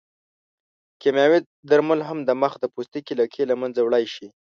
کیمیاوي درمل هم د مخ د پوستکي لکې له منځه وړلی شي.